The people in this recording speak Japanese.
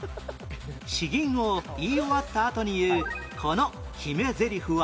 詩吟を言い終わったあとに言うこの決めゼリフは？